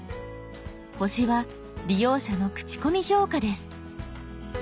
「星」は利用者の口コミ評価です。